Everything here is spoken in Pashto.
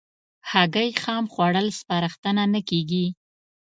هګۍ خام خوړل سپارښتنه نه کېږي.